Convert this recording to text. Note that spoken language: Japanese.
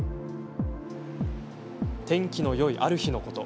天気のよい、ある日のこと。